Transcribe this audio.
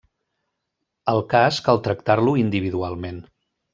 El cas cal tractar-lo individualment.